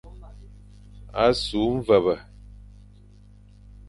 A su mvebe.